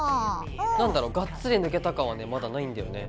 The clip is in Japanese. なんだろがっつり抜けた感はねまだないんだよね。